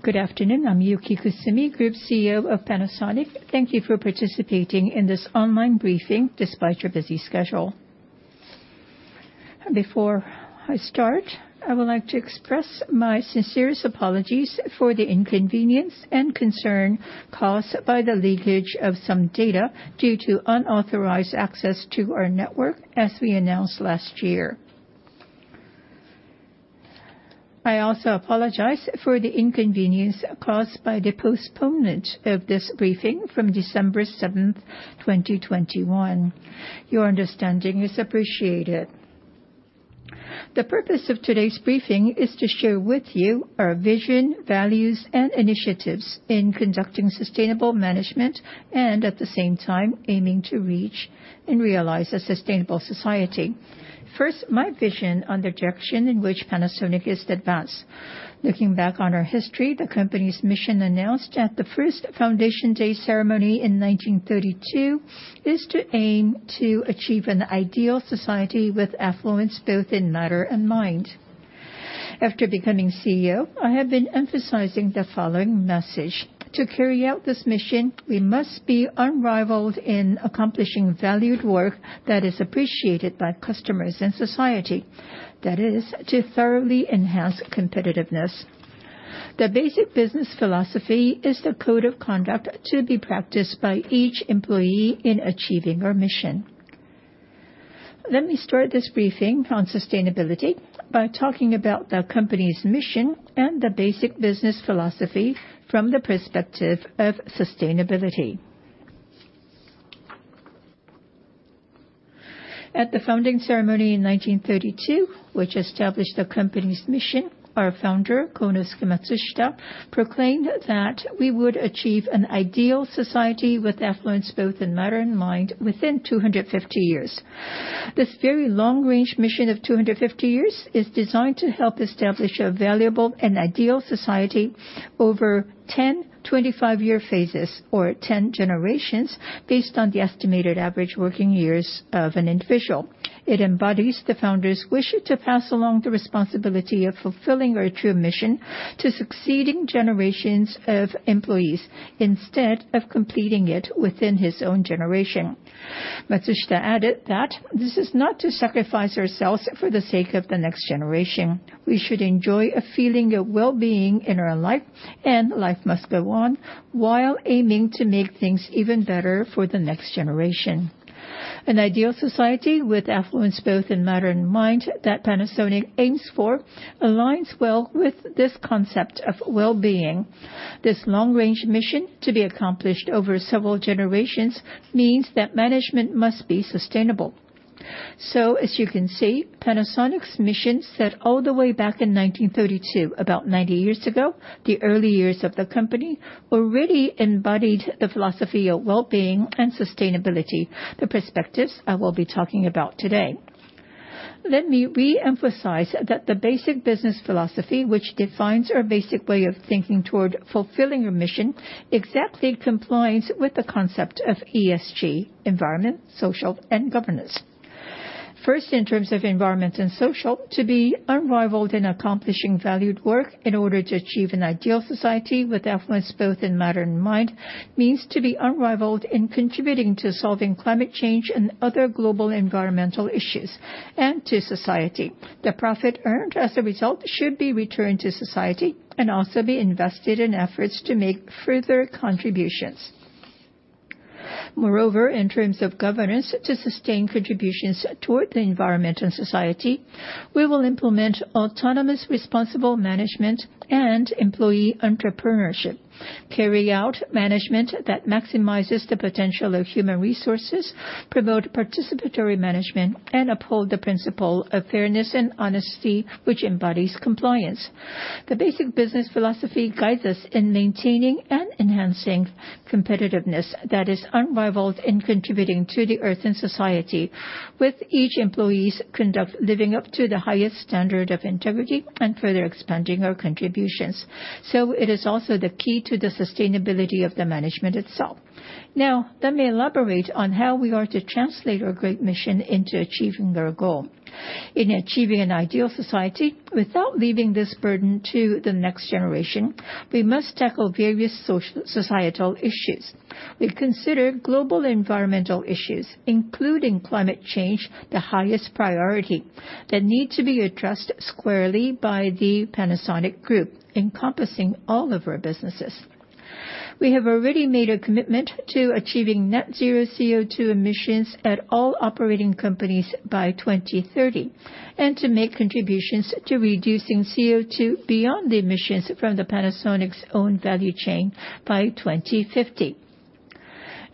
Good afternoon. I'm Yuki Kusumi, Group CEO of Panasonic. Thank you for participating in this online briefing despite your busy schedule. Before I start, I would like to express my sincerest apologies for the inconvenience and concern caused by the leakage of some data due to unauthorized access to our network, as we announced last year. I also apologize for the inconvenience caused by the postponement of this briefing from December 7, 2021. Your understanding is appreciated. The purpose of today's briefing is to share with you our vision, values, and initiatives in conducting sustainable management and, at the same time, aiming to reach and realize a sustainable society. First, my vision on the direction in which Panasonic is to advance. Looking back on our history, the company's mission announced at the first Foundation Day ceremony in 1932 is to aim to achieve an ideal society with affluence both in matter and mind. After becoming CEO, I have been emphasizing the following message: to carry out this mission, we must be unrivaled in accomplishing valued work that is appreciated by customers and society, that is, to thoroughly enhance competitiveness. The basic business philosophy is the code of conduct to be practiced by each employee in achieving our mission. Let me start this briefing on sustainability by talking about the company's mission and the basic business philosophy from the perspective of sustainability. At the founding ceremony in 1932, which established the company's mission, our founder, Konosuke Matsushita, proclaimed that we would achieve an ideal society with affluence both in matter and mind within 250 years. This very long-range mission of 250 years is designed to help establish a valuable and ideal society over 10 to 25-year phases or 10 generations based on the estimated average working years of an individual. It embodies the founder's wish to pass along the responsibility of fulfilling our true mission to succeeding generations of employees instead of completing it within his own generation. Matsushita added that this is not to sacrifice ourselves for the sake of the next generation. We should enjoy a feeling of well-being in our life, and life must go on while aiming to make things even better for the next generation. An ideal society with affluence both in matter and mind that Panasonic aims for aligns well with this concept of well-being. This long-range mission, to be accomplished over several generations, means that management must be sustainable. As you can see, Panasonic's mission set all the way back in 1932, about 90 years ago, the early years of the company, already embodied the philosophy of well-being and sustainability, the perspectives I will be talking about today. Let me re-emphasize that the basic business philosophy, which defines our basic way of thinking toward fulfilling our mission, exactly complies with the concept of ESG: Environment, Social, and Governance. First, in terms of environment and social, to be unrivaled in accomplishing valued work in order to achieve an ideal society with affluence both in matter and mind means to be unrivaled in contributing to solving climate change and other global environmental issues and to society. The profit earned as a result should be returned to society and also be invested in efforts to make further contributions. Moreover, in terms of governance, to sustain contributions toward the environment and society, we will implement autonomous responsible management and employee entrepreneurship, carry out management that maximizes the potential of human resources, promote participatory management, and uphold the principle of fairness and honesty, which embodies compliance. The basic business philosophy guides us in maintaining and enhancing competitiveness that is unrivaled in contributing to the earth and society, with each employee's conduct living up to the highest standard of integrity and further expanding our contributions. It is also the key to the sustainability of the management itself. Now, let me elaborate on how we are to translate our great mission into achieving our goal. In achieving an ideal society without leaving this burden to the next generation, we must tackle various societal issues. We consider global environmental issues, including climate change, the highest priority that need to be addressed squarely by the Panasonic Group, encompassing all of our businesses. We have already made a commitment to achieving net zero CO2 emissions at all operating companies by 2030 and to make contributions to reducing CO2 beyond the emissions from Panasonic's own value chain by 2050.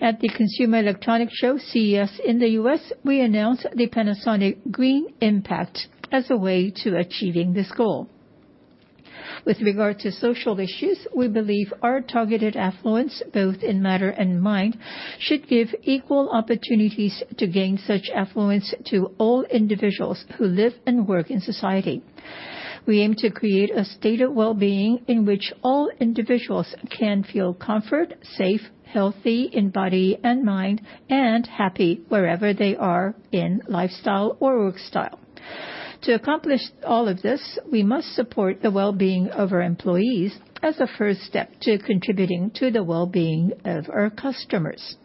At the Consumer Electronics Show, CES in the U.S., we announced the Panasonic Green Impact as a way to achieving this goal. With regard to social issues, we believe our targeted affluence, both in matter and mind, should give equal opportunities to gain such affluence to all individuals who live and work in society. We aim to create a state of well-being in which all individuals can feel comfort, safe, healthy in body and mind, and happy wherever they are in lifestyle or work style. To accomplish all of this, we must support the well-being of our employees as a first step to contributing to the well-being of our customers.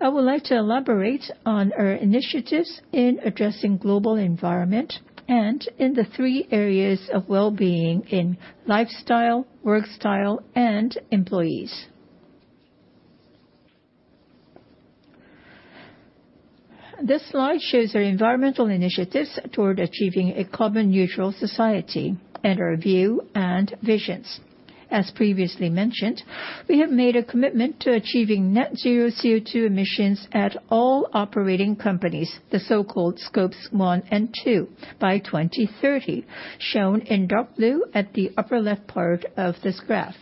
I would like to elaborate on our initiatives in addressing global environment and in the three areas of well-being in lifestyle, work style, and employees. This slide shows our environmental initiatives toward achieving a carbon-neutral society and our view and visions. As previously mentioned, we have made a commitment to achieving net zero CO2 emissions at all operating companies, the so-called Scopes 1 and 2, by 2030, shown in dark blue at the upper left part of this graph.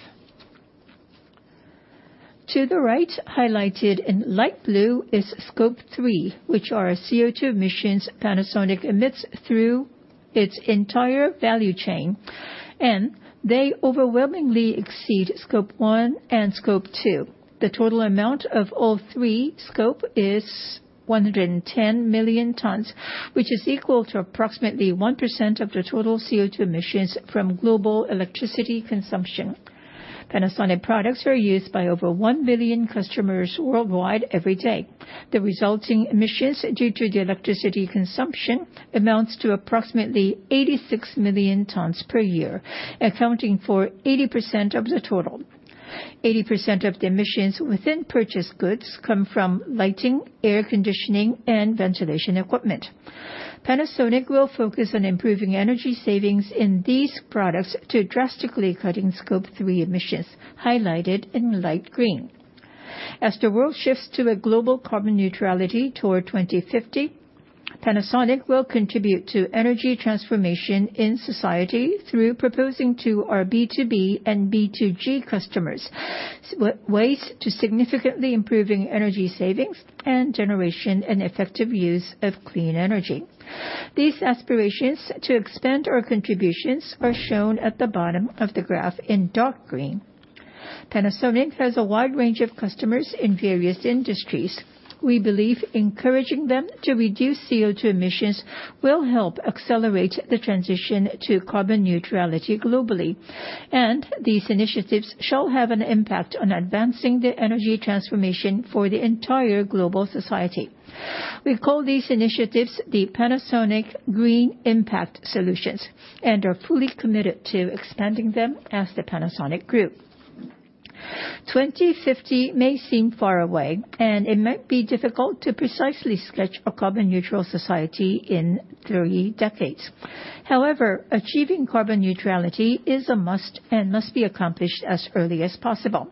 To the right, highlighted in light blue, is Scope 3, which are CO2 emissions Panasonic emits through its entire value chain, and they overwhelmingly exceed Scope 1 and Scope 2. The total amount of all three Scopes is 110 million tons, which is equal to approximately 1% of the total CO2 emissions from global electricity consumption. Panasonic products are used by over 1 million customers worldwide every day. The resulting emissions due to the electricity consumption amount to approximately 86 million tons per year, accounting for 80% of the total. 80% of the emissions within purchased goods come from lighting, air conditioning, and ventilation equipment. Panasonic will focus on improving energy savings in these products to drastically cut Scope 3 emissions, highlighted in light green. As the world shifts to a global carbon neutrality toward 2050, Panasonic will contribute to energy transformation in society through proposing to our B2B and B2G customers ways to significantly improve energy savings and generation and effective use of clean energy. These aspirations to expand our contributions are shown at the bottom of the graph in dark green. Panasonic has a wide range of customers in various industries. We believe encouraging them to reduce CO2 emissions will help accelerate the transition to carbon neutrality globally, and these initiatives shall have an impact on advancing the energy transformation for the entire global society. We call these initiatives the Panasonic Green Impact Solutions and are fully committed to expanding them as the Panasonic Group. 2050 may seem far away, and it might be difficult to precisely sketch a carbon-neutral society in three decades. However, achieving carbon neutrality is a must and must be accomplished as early as possible.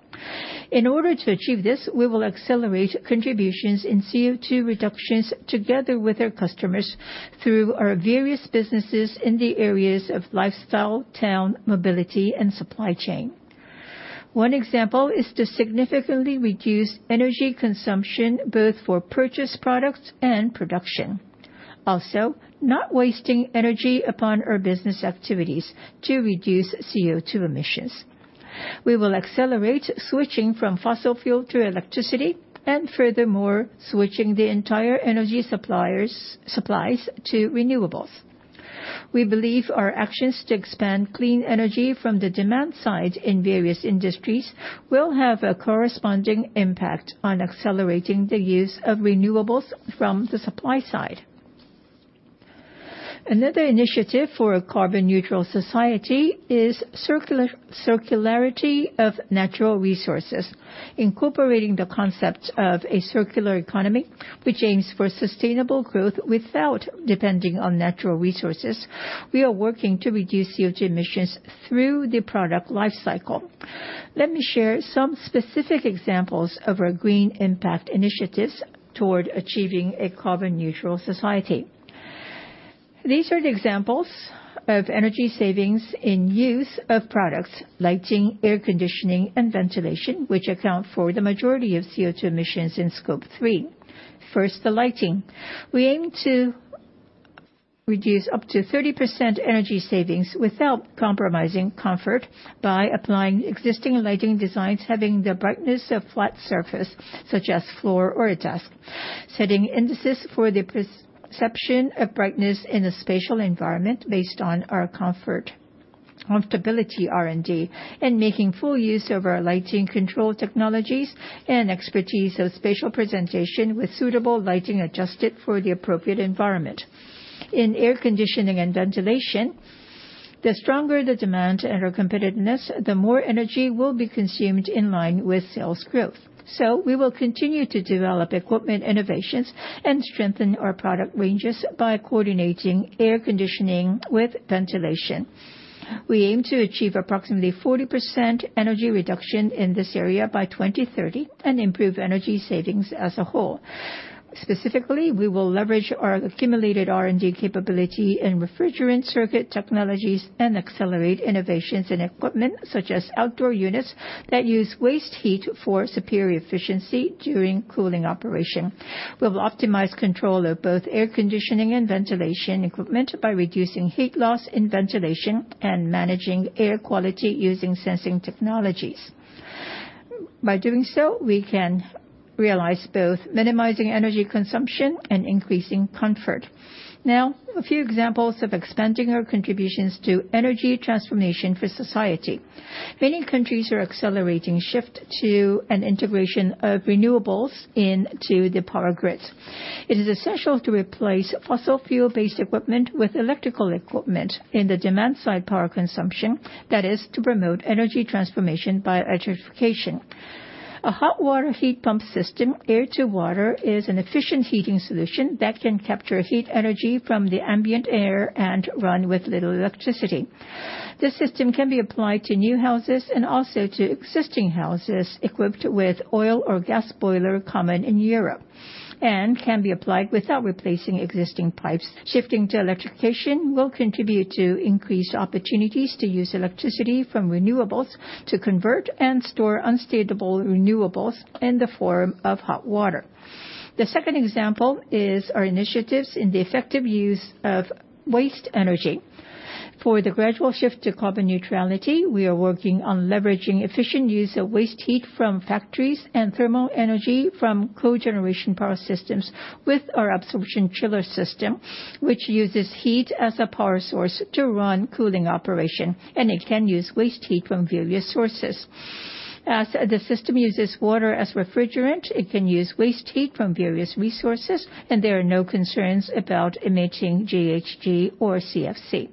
In order to achieve this, we will accelerate contributions in CO2 reductions together with our customers through our various businesses in the areas of lifestyle, town, mobility, and supply chain. One example is to significantly reduce energy consumption both for purchased products and production, also not wasting energy upon our business activities to reduce CO2 emissions. We will accelerate switching from fossil fuel to electricity and furthermore switching the entire energy supplies to renewables. We believe our actions to expand clean energy from the demand side in various industries will have a corresponding impact on accelerating the use of renewables from the supply side. Another initiative for a carbon-neutral society is circularity of natural resources, incorporating the concept of a circular economy, which aims for sustainable growth without depending on natural resources. We are working to reduce CO2 emissions through the product lifecycle. Let me share some specific examples of our green impact initiatives toward achieving a carbon-neutral society. These are the examples of energy savings in use of products: lighting, air conditioning, and ventilation, which account for the majority of CO2 emissions in Scope 3. First, the lighting. We aim to reduce up to 30% energy savings without compromising comfort by applying existing lighting designs having the brightness of flat surfaces, such as a floor or a desk, setting indices for the perception of brightness in a spatial environment based on our comfort, comfortability, R&D, and making full use of our lighting control technologies and expertise of spatial presentation with suitable lighting adjusted for the appropriate environment. In air conditioning and ventilation, the stronger the demand and our competitiveness, the more energy will be consumed in line with sales growth. We will continue to develop equipment innovations and strengthen our product ranges by coordinating air conditioning with ventilation. We aim to achieve approximately 40% energy reduction in this area by 2030 and improve energy savings as a whole. Specifically, we will leverage our accumulated R&D capability in refrigerant circuit technologies and accelerate innovations in equipment such as outdoor units that use waste heat for superior efficiency during cooling operation. We will optimize control of both air conditioning and ventilation equipment by reducing heat loss in ventilation and managing air quality using sensing technologies. By doing so, we can realize both minimizing energy consumption and increasing comfort. Now, a few examples of expanding our contributions to energy transformation for society. Many countries are accelerating shift to an integration of renewables into the power grid. It is essential to replace fossil fuel-based equipment with electrical equipment in the demand side power consumption, that is, to promote energy transformation by electrification. A hot water heat pump system, air to water, is an efficient heating solution that can capture heat energy from the ambient air and run with little electricity. This system can be applied to new houses and also to existing houses equipped with oil or gas boiler common in Europe and can be applied without replacing existing pipes. Shifting to electrification will contribute to increased opportunities to use electricity from renewables to convert and store unstageable renewables in the form of hot water. The second example is our initiatives in the effective use of waste energy. For the gradual shift to carbon neutrality, we are working on leveraging efficient use of waste heat from factories and thermal energy from cogeneration power systems with our absorption chiller system, which uses heat as a power source to run cooling operation, and it can use waste heat from various sources. As the system uses water as refrigerant, it can use waste heat from various resources, and there are no concerns about emitting GHG or CFC.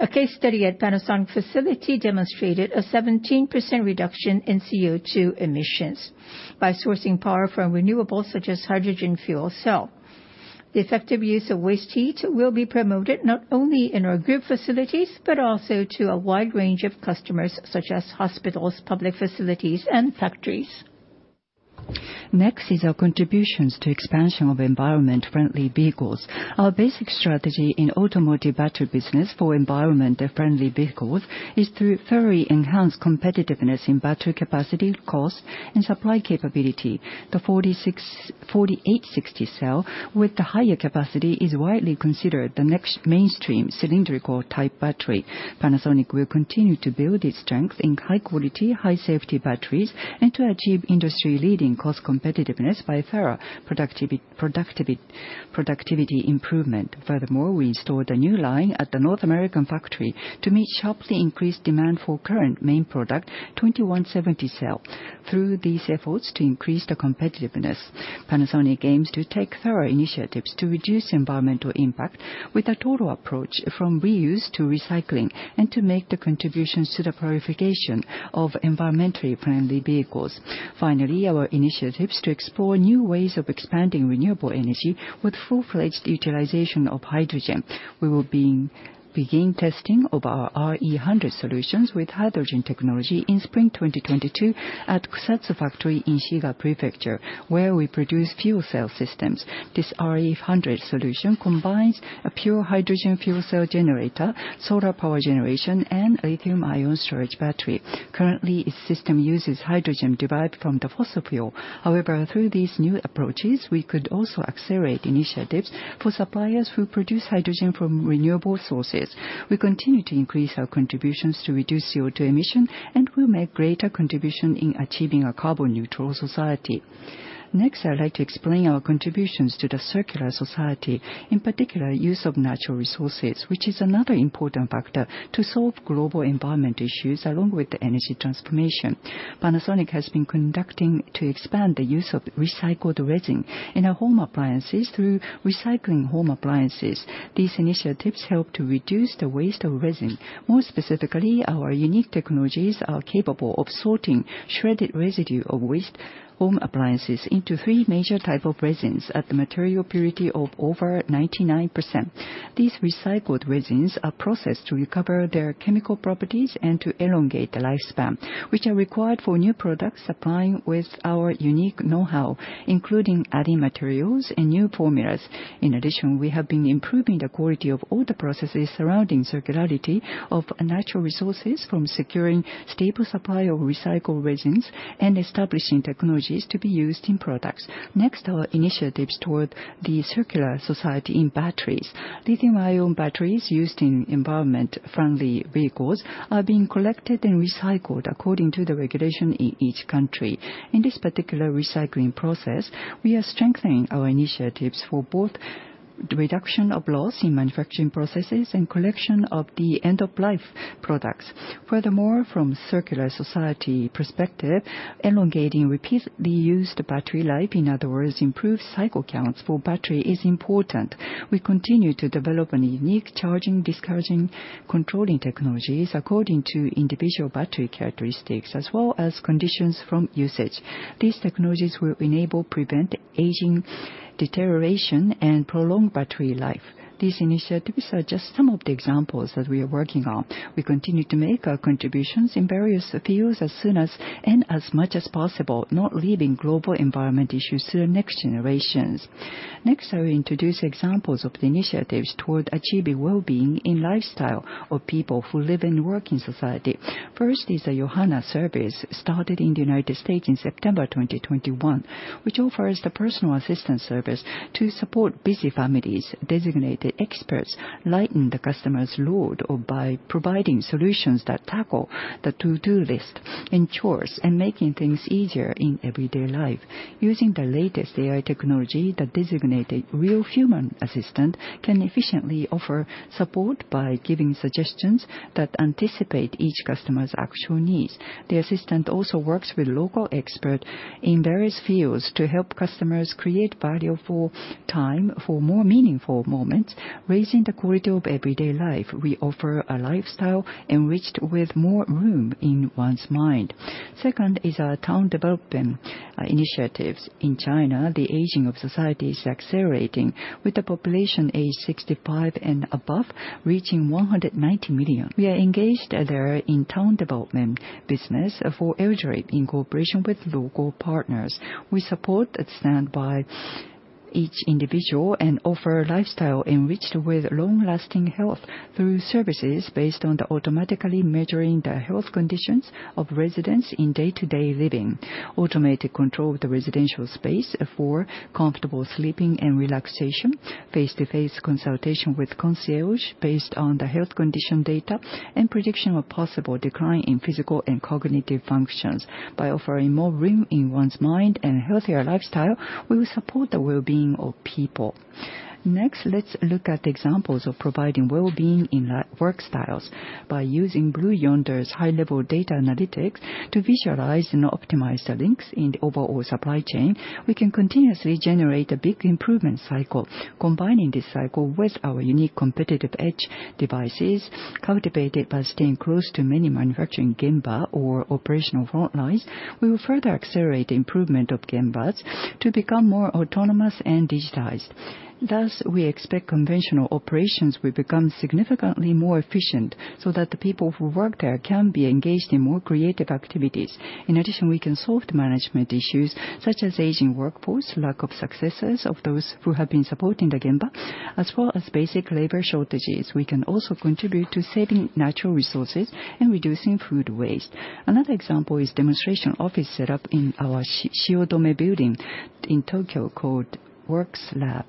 A case study at Panasonic Facility demonstrated a 17% reduction in CO2 emissions by sourcing power from renewables such as hydrogen fuel cell. The effective use of waste heat will be promoted not only in our group facilities but also to a wide range of customers such as hospitals, public facilities, and factories. Next is our contributions to expansion of environment-friendly vehicles. Our basic strategy in automotive battery business for environment-friendly vehicles is to further enhance competitiveness in battery capacity, cost, and supply capability. The 4680 cell with the higher capacity is widely considered the next mainstream cylindrical type battery. Panasonic will continue to build its strength in high-quality, high-safety batteries and to achieve industry-leading cost competitiveness by further productivity improvement. Furthermore, we installed a new line at the North American factory to meet sharply increased demand for current main product 2170 cell. Through these efforts to increase the competitiveness, Panasonic aims to take further initiatives to reduce environmental impact with a total approach from reuse to recycling and to make the contributions to the purification of environmentally friendly vehicles. Finally, our initiatives to explore new ways of expanding renewable energy with full-fledged utilization of hydrogen. We will begin testing of our RE100 solutions with hydrogen technology in spring 2022 at Kusatsu Factory in Shiga Prefecture, where we produce fuel cell systems. This RE100 solution combines a pure hydrogen fuel cell generator, solar power generation, and lithium-ion storage battery. Currently, its system uses hydrogen derived from the fossil fuel. However, through these new approaches, we could also accelerate initiatives for suppliers who produce hydrogen from renewable sources. We continue to increase our contributions to reduce CO2 emissions, and we'll make greater contributions in achieving a carbon-neutral society. Next, I'd like to explain our contributions to the circular society, in particular use of natural resources, which is another important factor to solve global environment issues along with energy transformation. Panasonic has been conducting to expand the use of recycled resin in our home appliances through recycling home appliances. These initiatives help to reduce the waste of resin. More specifically, our unique technologies are capable of sorting shredded residue of waste home appliances into three major types of resins at a material purity of over 99%. These recycled resins are processed to recover their chemical properties and to elongate the lifespan, which are required for new products supplying with our unique know-how, including adding materials and new formulas. In addition, we have been improving the quality of all the processes surrounding circularity of natural resources from securing stable supply of recycled resins and establishing technologies to be used in products. Next, our initiatives toward the circular society in batteries. Lithium-ion batteries used in environment-friendly vehicles are being collected and recycled according to the regulation in each country. In this particular recycling process, we are strengthening our initiatives for both reduction of loss in manufacturing processes and collection of the end-of-life products. Furthermore, from a circular society perspective, elongating repeatedly used battery life, in other words, improved cycle counts for battery, is important. We continue to develop unique charging, discharging, controlling technologies according to individual battery characteristics, as well as conditions from usage. These technologies will enable prevent aging, deterioration, and prolong battery life. These initiatives are just some of the examples that we are working on. We continue to make our contributions in various fields as soon as and as much as possible, not leaving global environment issues to the next generations. Next, I will introduce examples of the initiatives toward achieving well-being in lifestyle of people who live and work in society. First is a YoHana service started in the United States in September 2021, which offers the personal assistance service to support busy families. Designated experts lighten the customer's load by providing solutions that tackle the to-do list, and chores, and make things easier in everyday life. Using the latest AI technology, the designated real human assistant can efficiently offer support by giving suggestions that anticipate each customer's actual needs. The assistant also works with local experts in various fields to help customers create value for time, for more meaningful moments, raising the quality of everyday life. We offer a lifestyle enriched with more room in one's mind. Second is our town development initiatives. In China, the aging of society is accelerating, with the population aged 65 and above reaching 190 million. We are engaged there in town development business for elderly in cooperation with local partners. We support and stand by each individual and offer lifestyle enriched with long-lasting health through services based on automatically measuring the health conditions of residents in day-to-day living. Automated control of the residential space for comfortable sleeping and relaxation, face-to-face consultation with concierge based on the health condition data, and prediction of possible decline in physical and cognitive functions. By offering more room in one's mind and a healthier lifestyle, we will support the well-being of people. Next, let's look at examples of providing well-being in work styles. By using Blue Yonder's high-level data analytics to visualize and optimize the links in the overall supply chain, we can continuously generate a big improvement cycle. Combining this cycle with our unique competitive edge devices, cultivated by staying close to many manufacturing gemba or operational frontlines, we will further accelerate the improvement of gembas to become more autonomous and digitized. Thus, we expect conventional operations will become significantly more efficient so that the people who work there can be engaged in more creative activities. In addition, we can solve the management issues such as aging workforce, lack of successes of those who have been supporting the gemba, as well as basic labor shortages. We can also contribute to saving natural resources and reducing food waste. Another example is a demonstration office set up in our Shiodome building in Tokyo called worXlab,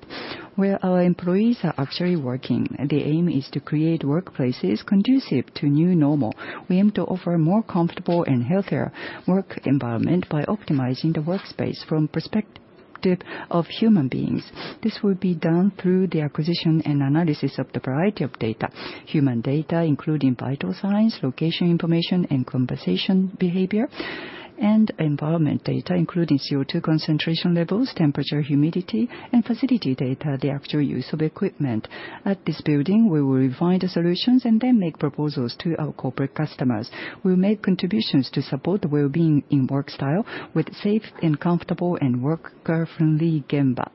where our employees are actually working. The aim is to create workplaces conducive to a new normal. We aim to offer a more comfortable and healthier work environment by optimizing the workspace from the perspective of human beings. This will be done through the acquisition and analysis of the variety of data: human data, including vital signs, location information, and conversation behavior, and environment data, including CO2 concentration levels, temperature, humidity, and facility data, the actual use of equipment. At this building, we will refine the solutions and then make proposals to our corporate customers. We will make contributions to support the well-being in work style with safe and comfortable and worker-friendly gemba.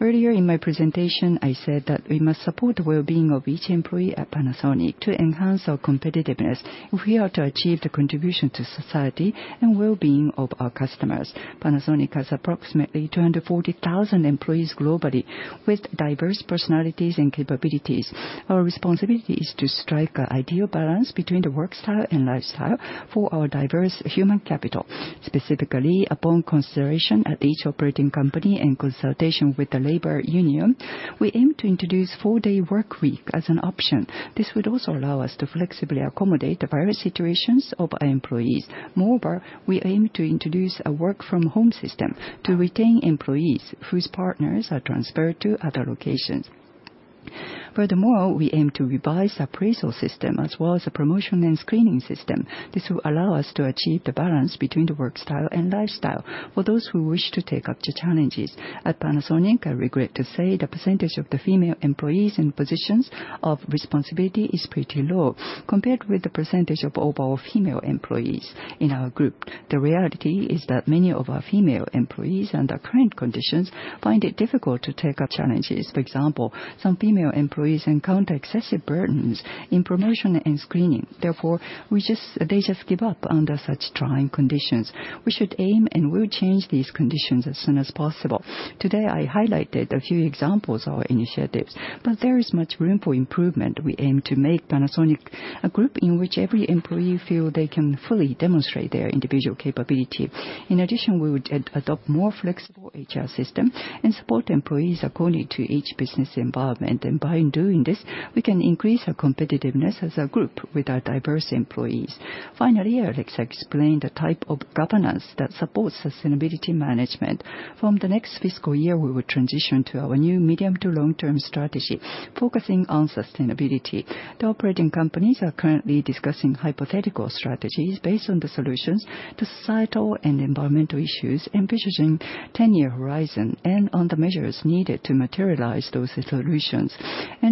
Earlier in my presentation, I said that we must support the well-being of each employee at Panasonic to enhance our competitiveness. We are to achieve the contribution to society and well-being of our customers. Panasonic has approximately 240,000 employees globally with diverse personalities and capabilities. Our responsibility is to strike an ideal balance between the work style and lifestyle for our diverse human capital. Specifically, upon consideration at each operating company and consultation with the labor union, we aim to introduce a four-day work week as an option. This would also allow us to flexibly accommodate the various situations of our employees. Moreover, we aim to introduce a work-from-home system to retain employees whose partners are transferred to other locations. Furthermore, we aim to revise the appraisal system as well as the promotion and screening system. This will allow us to achieve the balance between the work style and lifestyle for those who wish to take up the challenges. At Panasonic, I regret to say the percentage of the female employees in positions of responsibility is pretty low compared with the percentage of overall female employees in our group. The reality is that many of our female employees, under current conditions, find it difficult to take up challenges. For example, some female employees encounter excessive burdens in promotion and screening. Therefore, they just give up under such trying conditions. We should aim and will change these conditions as soon as possible. Today, I highlighted a few examples of our initiatives, but there is much room for improvement. We aim to make Panasonic a group in which every employee feels they can fully demonstrate their individual capability. In addition, we would adopt a more flexible HR system and support employees according to each business environment. By doing this, we can increase our competitiveness as a group with our diverse employees. Finally, I'd like to explain the type of governance that supports sustainability management. From the next fiscal year, we will transition to our new medium to long-term strategy, focusing on sustainability. The operating companies are currently discussing hypothetical strategies based on the solutions to societal and environmental issues, envisioning a 10-year horizon and on the measures needed to materialize those solutions.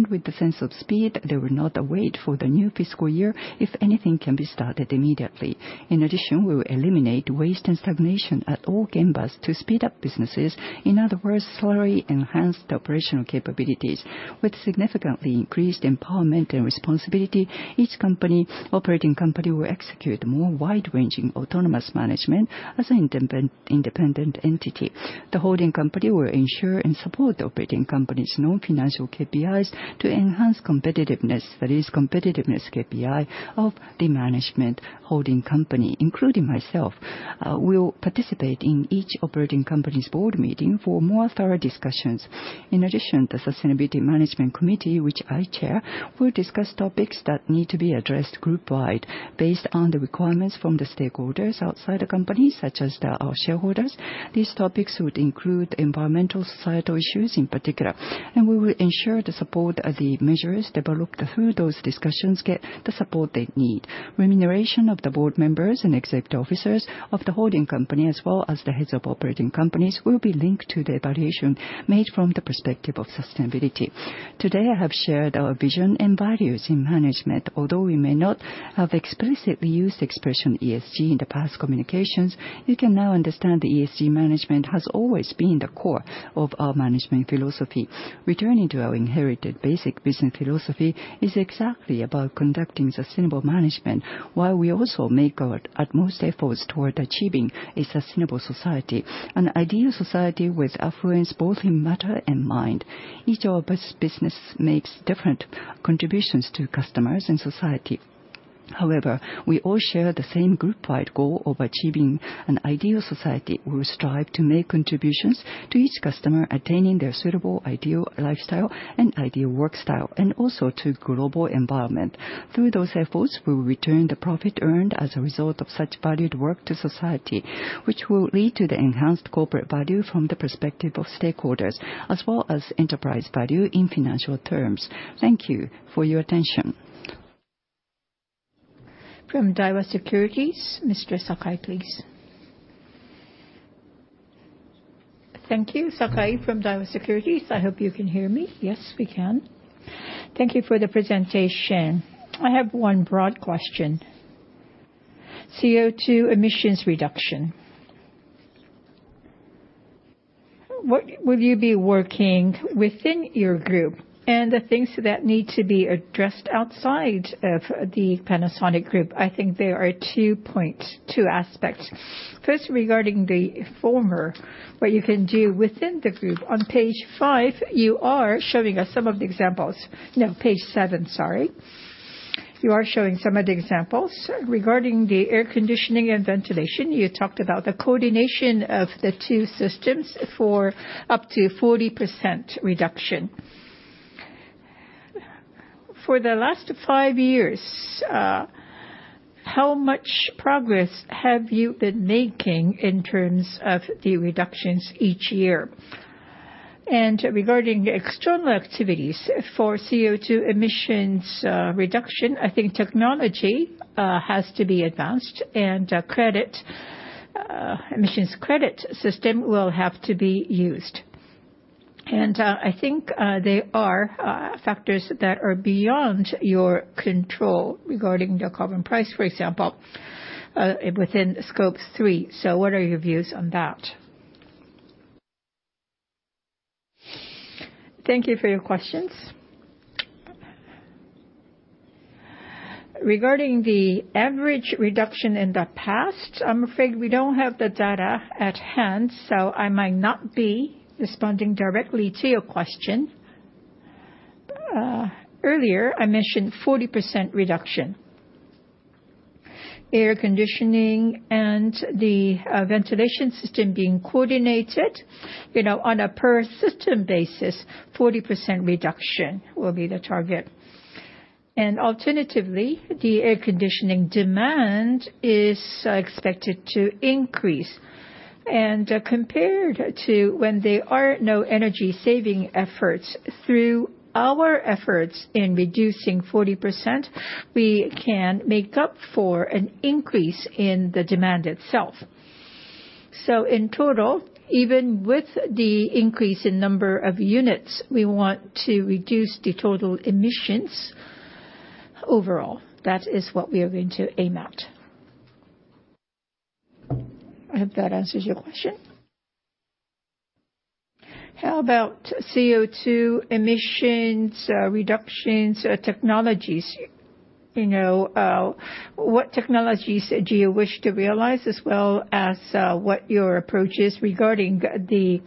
With the sense of speed, they will not wait for the new fiscal year if anything can be started immediately. In addition, we will eliminate waste and stagnation at all gembas to speed up businesses. In other words, slowly enhance the operational capabilities. With significantly increased empowerment and responsibility, each operating company will execute more wide-ranging autonomous management as an independent entity. The holding company will ensure and support the operating company's known financial KPIs to enhance competitiveness, that is, competitiveness KPI of the management holding company, including myself. We will participate in each operating company's board meeting for more thorough discussions. In addition, the Sustainability Management Committee, which I chair, will discuss topics that need to be addressed group-wide based on the requirements from the stakeholders outside the company, such as our shareholders. These topics would include environmental and societal issues in particular, and we will ensure the support of the measures developed through those discussions get the support they need. Remuneration of the board members and executive officers of the holding company, as well as the heads of operating companies, will be linked to the evaluation made from the perspective of sustainability. Today, I have shared our vision and values in management. Although we may not have explicitly used the expression ESG in the past communications, you can now understand that ESG management has always been the core of our management philosophy. Returning to our inherited basic business philosophy, it is exactly about conducting sustainable management while we also make our utmost efforts toward achieving a sustainable society, an ideal society with affluence both in matter and mind. Each of us businesses makes different contributions to customers and society. However, we all share the same group-wide goal of achieving an ideal society. We will strive to make contributions to each customer, attaining their suitable ideal lifestyle and ideal work style, and also to a global environment. Through those efforts, we will return the profit earned as a result of such valued work to society, which will lead to the enhanced corporate value from the perspective of stakeholders, as well as enterprise value in financial terms. Thank you for your attention. From Daiwa Securities, Mr. Sakai, please. Thank you, Sakai from Daiwa Securities. I hope you can hear me. Yes, we can. Thank you for the presentation. I have one broad question: CO2 emissions reduction. What will you be working within your group and the things that need to be addressed outside of the Panasonic group? I think there are two points, two aspects. First, regarding the former, what you can do within the group. On page five, you are showing us some of the examples. No, page seven, sorry. You are showing some of the examples. Regarding the air conditioning and ventilation, you talked about the coordination of the two systems for up to 40% reduction. For the last five years, how much progress have you been making in terms of the reductions each year? Regarding external activities for CO2 emissions reduction, I think technology has to be advanced, and emissions credit system will have to be used. I think there are factors that are beyond your control regarding the carbon price, for example, within scope three. What are your views on that? Thank you for your questions. Regarding the average reduction in the past, I'm afraid we don't have the data at hand, so I might not be responding directly to your question. Earlier, I mentioned 40% reduction. Air conditioning and the ventilation system being coordinated on a per-system basis, 40% reduction will be the target. Alternatively, the air conditioning demand is expected to increase. Compared to when there are no energy-saving efforts, through our efforts in reducing 40%, we can make up for an increase in the demand itself. In total, even with the increase in number of units, we want to reduce the total emissions overall. That is what we are going to aim at. I hope that answers your question. How about CO2 emissions reductions technologies? What technologies do you wish to realize, as well as what your approach is regarding the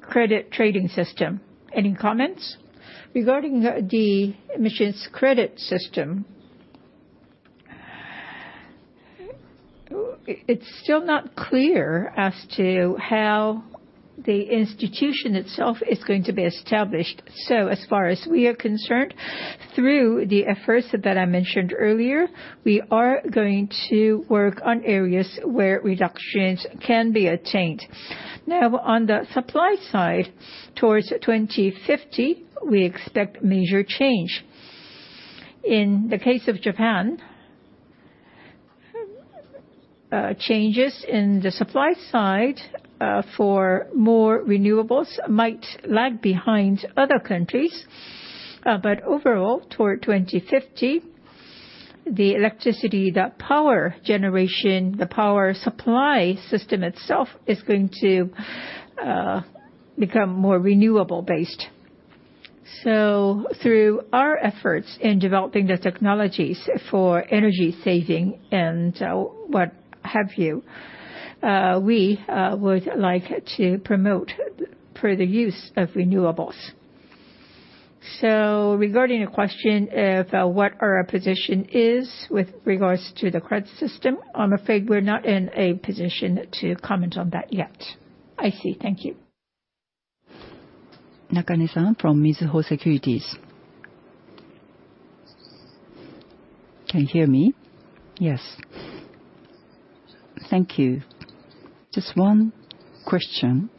credit trading system? Any comments? Regarding the emissions credit system, it is still not clear as to how the institution itself is going to be established. As far as we are concerned, through the efforts that I mentioned earlier, we are going to work on areas where reductions can be attained. Now, on the supply side, towards 2050, we expect major change. In the case of Japan, changes in the supply side for more renewables might lag behind other countries. Overall, toward 2050, the electricity, the power generation, the power supply system itself is going to become more renewable-based. Through our efforts in developing the technologies for energy saving and what have you, we would like to promote further use of renewables. Regarding the question of what our position is with regards to the credit system, I'm afraid we're not in a position to comment on that yet. I see. Thank you. Nakane-san from Mizuho Securities. Can you hear me? Yes. Thank you. Just one question.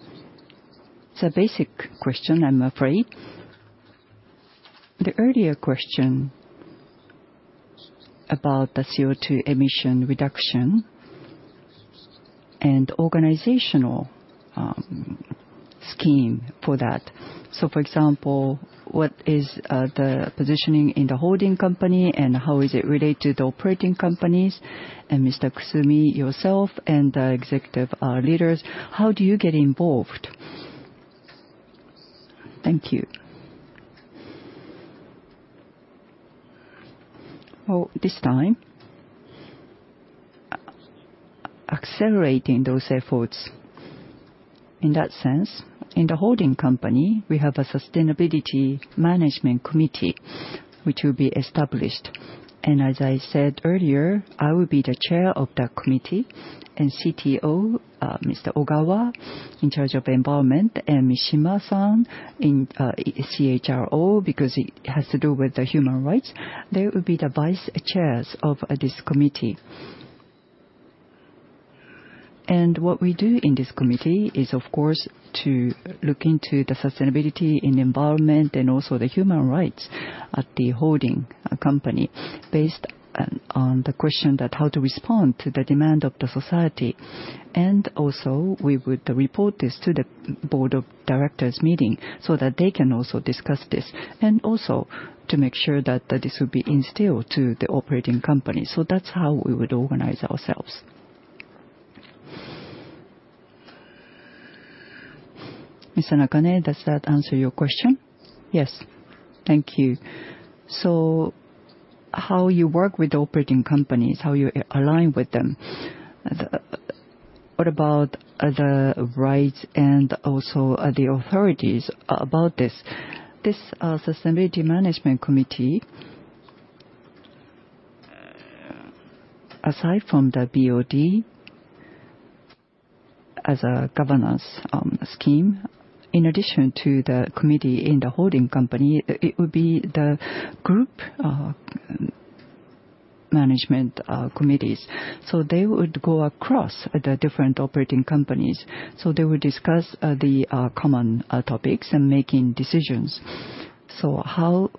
It's a basic question, I'm afraid. The earlier question about the CO2 emission reduction and organizational scheme for that. For example, what is the positioning in the holding company and how is it related to the operating companies? Mr. Kusumi, yourself and the executive leaders, how do you get involved? Thank you. This time, accelerating those efforts in that sense. In the holding company, we have a sustainability management committee which will be established. As I said earlier, I will be the chair of that committee and CTO, Mr. Ogawa, in charge of environment, and Mishima-san in CHRO because it has to do with the human rights. They will be the vice chairs of this committee. What we do in this committee is, of course, to look into the sustainability in environment and also the human rights at the holding company based on the question that how to respond to the demand of the society. We would report this to the board of directors meeting so that they can also discuss this and also to make sure that this will be instilled to the operating company. That is how we would organize ourselves. Mr. Nakane, does that answer your question? Yes. Thank you. How you work with the operating companies, how you align with them, what about the rights and also the authorities about this? This sustainability management committee, aside from the BOD as a governance scheme, in addition to the committee in the holding company, it would be the group management committees. They would go across the different operating companies. They would discuss the common topics and making decisions. That is how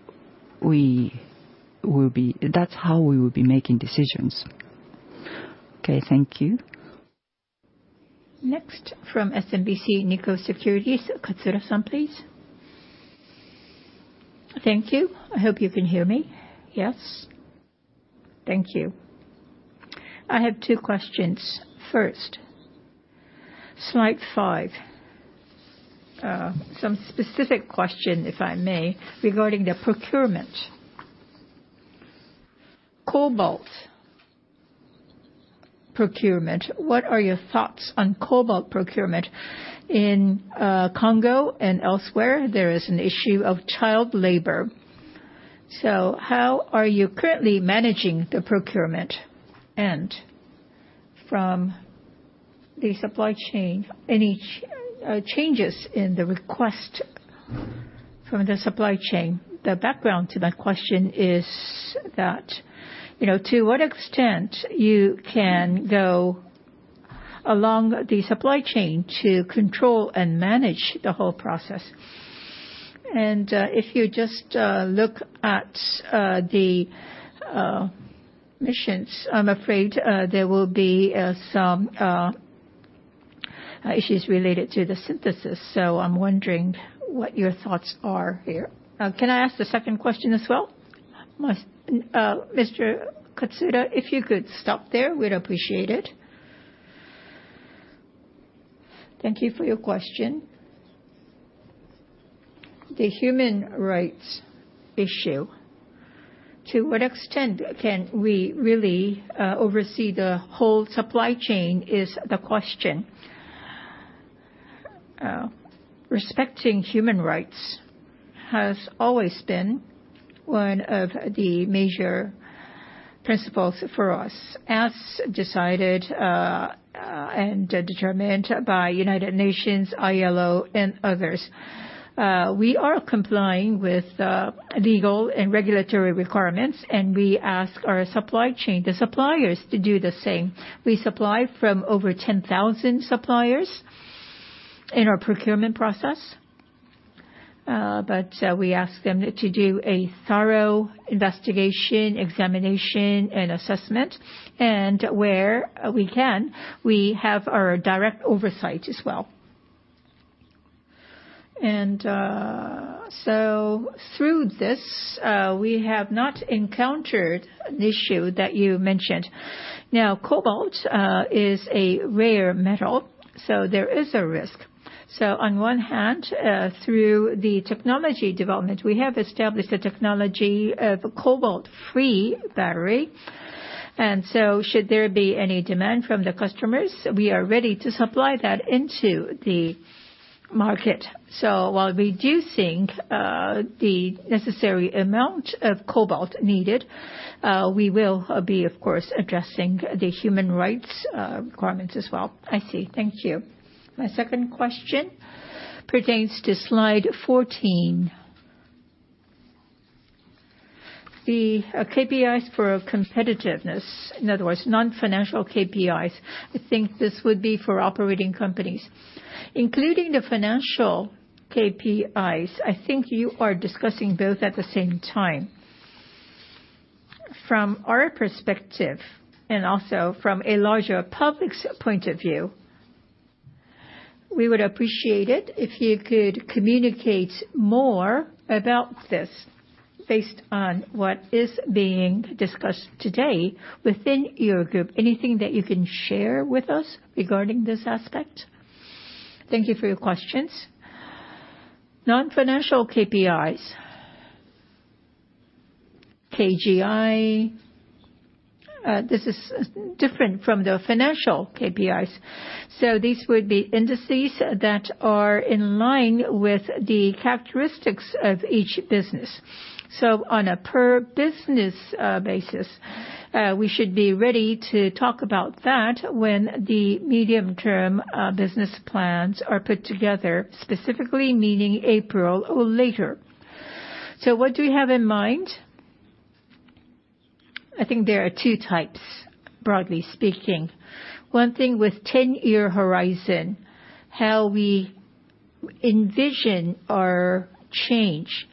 we will be making decisions. Thank you. Next, from SMBC Nikko Securities, Katsura-san, please. Thank you. I hope you can hear me. Yes. Thank you. I have two questions. First, slide five, some specific question, if I may, regarding the procurement. Cobalt procurement, what are your thoughts on cobalt procurement in Congo and elsewhere? There is an issue of child labor. How are you currently managing the procurement? From the supply chain, any changes in the request from the supply chain? The background to that question is that to what extent you can go along the supply chain to control and manage the whole process. If you just look at the emissions, I'm afraid there will be some issues related to the synthesis. I'm wondering what your thoughts are here. Can I ask the second question as well? Mr. Katsura, if you could stop there, we'd appreciate it. Thank you for your question. The human rights issue, to what extent can we really oversee the whole supply chain is the question. Respecting human rights has always been one of the major principles for us, as decided and determined by United Nations, ILO, and others. We are complying with legal and regulatory requirements, and we ask our supply chain, the suppliers, to do the same. We supply from over 10,000 suppliers in our procurement process, but we ask them to do a thorough investigation, examination, and assessment. Where we can, we have our direct oversight as well. Through this, we have not encountered an issue that you mentioned. Now, cobalt is a rare metal, so there is a risk. On one hand, through the technology development, we have established a technology of cobalt-free battery. Should there be any demand from the customers, we are ready to supply that into the market. While reducing the necessary amount of cobalt needed, we will be, of course, addressing the human rights requirements as well. I see. Thank you. My second question pertains to slide 14. The KPIs for competitiveness, in other words, non-financial KPIs, I think this would be for operating companies. Including the financial KPIs, I think you are discussing both at the same time. From our perspective and also from a larger public's point of view, we would appreciate it if you could communicate more about this based on what is being discussed today within your group. Anything that you can share with us regarding this aspect? Thank you for your questions. Non-financial KPIs, KGI, this is different from the financial KPIs. These would be indices that are in line with the characteristics of each business. On a per-business basis, we should be ready to talk about that when the medium-term business plans are put together, specifically meaning April or later. What do we have in mind? I think there are two types, broadly speaking. One thing with 10-year horizon, how we envision our change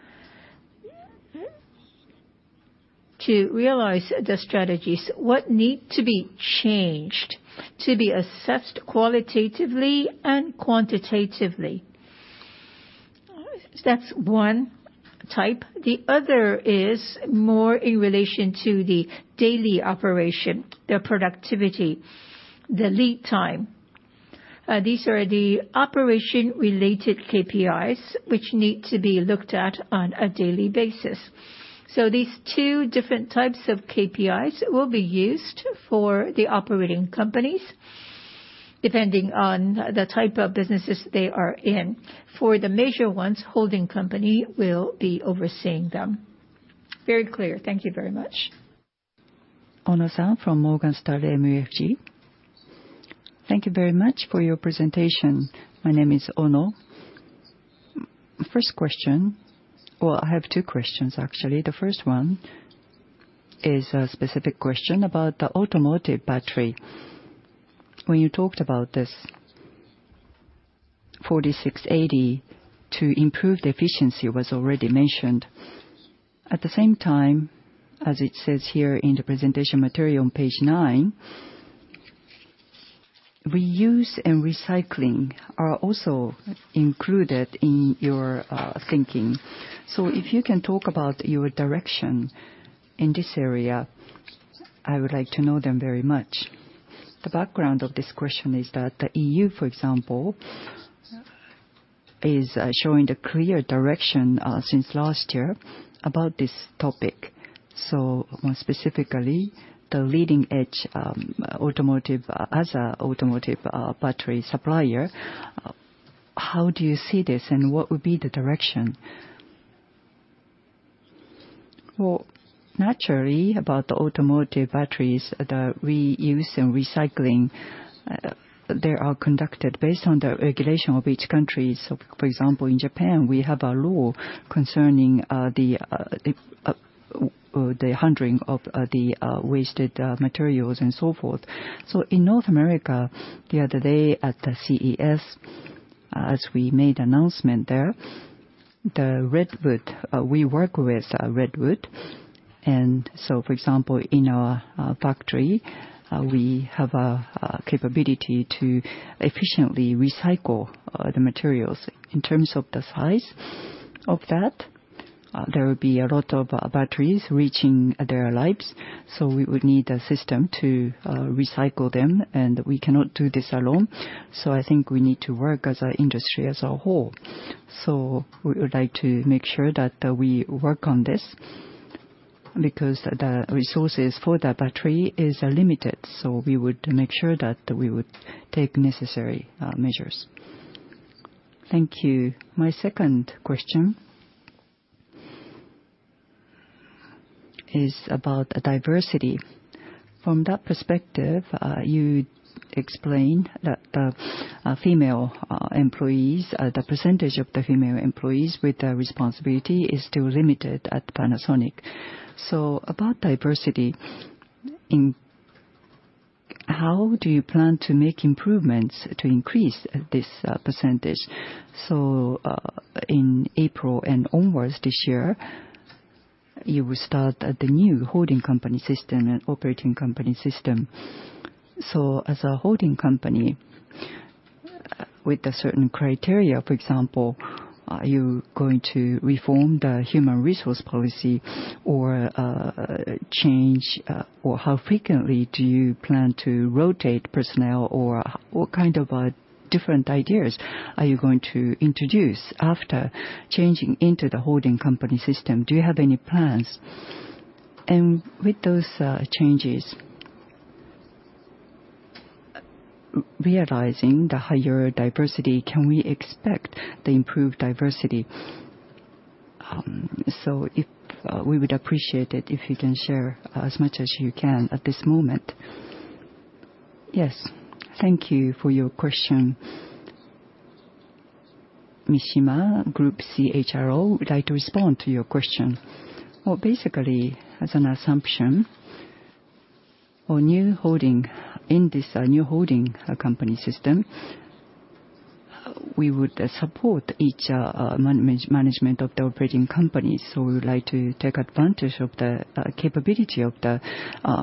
to realize the strategies, what needs to be changed to be assessed qualitatively and quantitatively. That is one type. The other is more in relation to the daily operation, the productivity, the lead time. These are the operation-related KPIs which need to be looked at on a daily basis. These two different types of KPIs will be used for the operating companies depending on the type of businesses they are in. For the major ones, holding company will be overseeing them. Very clear. Thank you very much. Ono-san from Morgan Stanley MUFG. Thank you very much for your presentation. My name is Ono. First question, I have two questions, actually. The first one is a specific question about the automotive battery. When you talked about this, 4680 to improve the efficiency was already mentioned. At the same time as it says here in the presentation material on page nine, reuse and recycling are also included in your thinking. If you can talk about your direction in this area, I would like to know them very much. The background of this question is that the EU, for example, is showing the clear direction since last year about this topic. More specifically, the leading-edge automotive as an automotive battery supplier, how do you see this and what would be the direction? Naturally, about the automotive batteries, the reuse and recycling, they are conducted based on the regulation of each country. For example, in Japan, we have a rule concerning the handling of the wasted materials and so forth. In North America, the other day at the CES, as we made announcement there, the Redwood, we work with Redwood. For example, in our factory, we have a capability to efficiently recycle the materials. In terms of the size of that, there will be a lot of batteries reaching their lives. We would need a system to recycle them, and we cannot do this alone. I think we need to work as an industry as a whole. We would like to make sure that we work on this because the resources for the battery are limited. We would make sure that we would take necessary measures. Thank you. My second question is about diversity. From that perspective, you explained that the female employees, the percentage of the female employees with responsibility is still limited at Panasonic. About diversity, how do you plan to make improvements to increase this percentage? In April and onwards this year, you will start the new holding company system and operating company system. As a holding company with a certain criteria, for example, you are going to reform the human resource policy or change, or how frequently do you plan to rotate personnel or what kind of different ideas are you going to introduce after changing into the holding company system? Do you have any plans? With those changes, realizing the higher diversity, can we expect the improved diversity? We would appreciate it if you can share as much as you can at this moment. Yes. Thank you for your question. Mishima, Group CHRO, would like to respond to your question. Basically, as an assumption, in this new holding company system, we would support each management of the operating companies. We would like to take advantage of the capability of the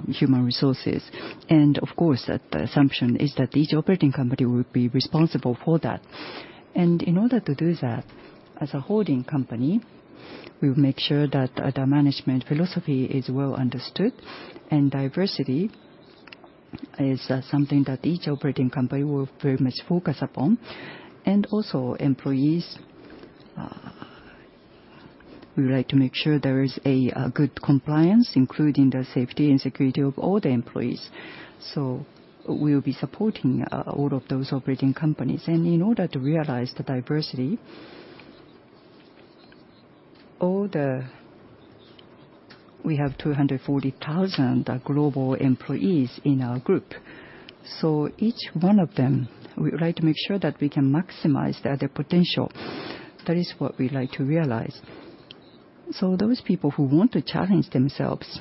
human resources. Of course, the assumption is that each operating company would be responsible for that. In order to do that, as a holding company, we will make sure that the management philosophy is well understood and diversity is something that each operating company will very much focus upon. Also, employees, we would like to make sure there is a good compliance, including the safety and security of all the employees. We will be supporting all of those operating companies. In order to realize the diversity, we have 240,000 global employees in our group. Each one of them, we would like to make sure that we can maximize their potential. That is what we'd like to realize. Those people who want to challenge themselves,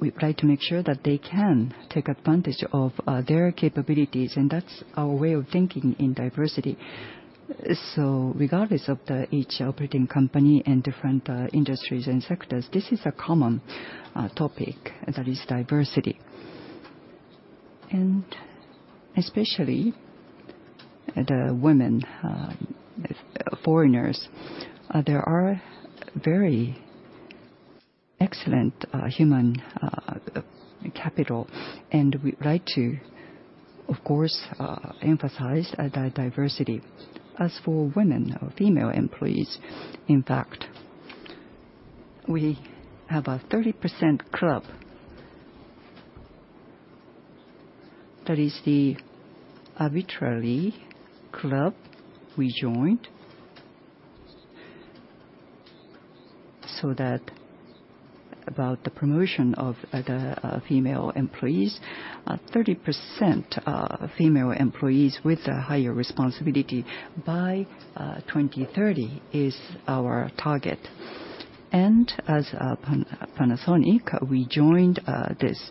we'd like to make sure that they can take advantage of their capabilities. That's our way of thinking in diversity. Regardless of each operating company and different industries and sectors, this is a common topic that is diversity. Especially the women, foreigners, there are very excellent human capital. We'd like to, of course, emphasize that diversity. As for women, female employees, in fact, we have a 30% Club. That is the arbitrary club we joined so that about the promotion of the female employees, 30% female employees with a higher responsibility by 2030 is our target. As Panasonic, we joined this.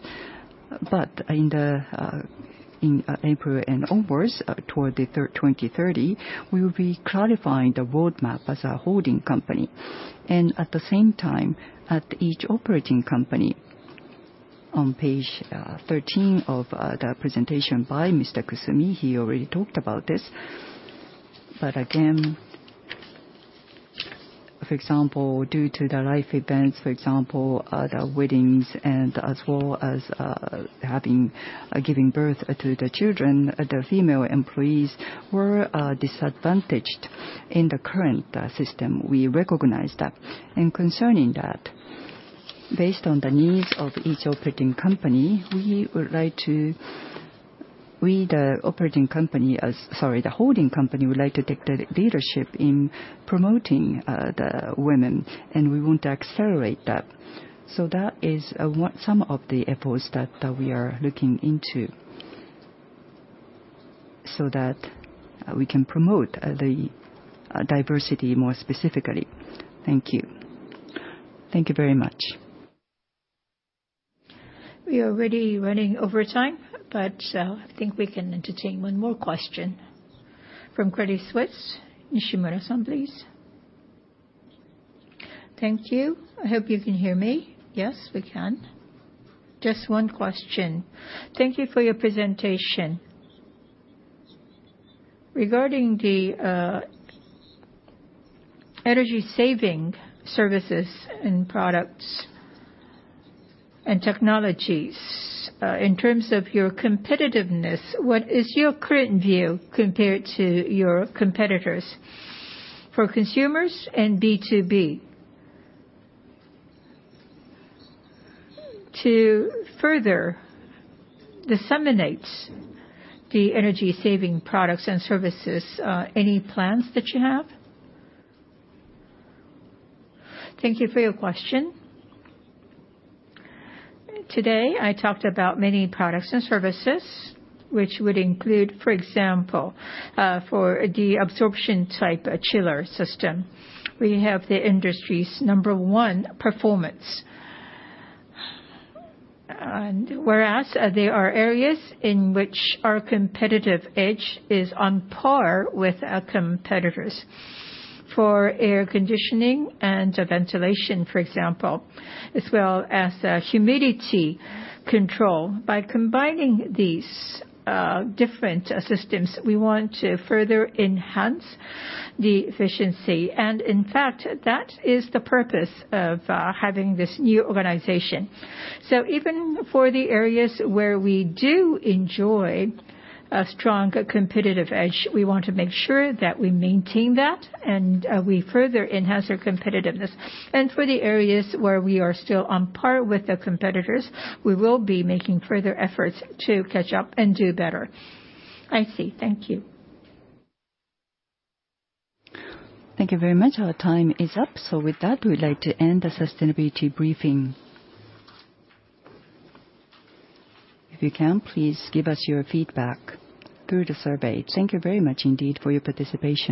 In April and onwards toward 2030, we will be clarifying the roadmap as a holding company. At the same time, at each operating company, on page 13 of the presentation by Mr. Kusumi, he already talked about this. For example, due to life events, for example, weddings and as well as giving birth to children, the female employees were disadvantaged in the current system. We recognize that. Concerning that, based on the needs of each operating company, we, the operating company—sorry, the holding company would like to take the leadership in promoting women, and we want to accelerate that. That is some of the efforts that we are looking into so that we can promote diversity more specifically. Thank you. Thank you very much. We are already running over time, but I think we can entertain one more question. From Credit Suisse, Ishimaro-san, please. Thank you. I hope you can hear me. Yes, we can. Just one question. Thank you for your presentation. Regarding the energy-saving services and products and technologies, in terms of your competitiveness, what is your current view compared to your competitors for consumers and B2B? To further disseminate the energy-saving products and services, any plans that you have? Thank you for your question. Today, I talked about many products and services, which would include, for example, for the absorption-type chiller system, we have the industry's number one performance. Whereas there are areas in which our competitive edge is on par with our competitors for air conditioning and ventilation, for example, as well as humidity control. By combining these different systems, we want to further enhance the efficiency. That is the purpose of having this new organization. Even for the areas where we do enjoy a strong competitive edge, we want to make sure that we maintain that and we further enhance our competitiveness. For the areas where we are still on par with the competitors, we will be making further efforts to catch up and do better. I see. Thank you. Thank you very much. Our time is up. With that, we'd like to end the sustainability briefing. If you can, please give us your feedback through the survey. Thank you very much indeed for your participation.